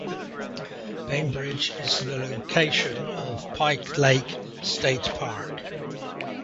Bainbridge is the location of Pike Lake State Park.